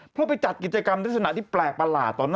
เพราะว่าไปจัดกิจกรรมลักษณะที่แปลกประหลาด